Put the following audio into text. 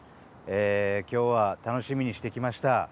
今日は楽しみにしてきました。